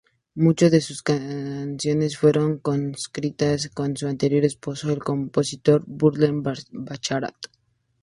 Muchas de sus canciones fueron co-escritas con su anterior esposo, el compositor Burt Bacharach.